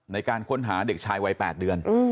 ในการค้นหาเด็กชายวัย๘เดือน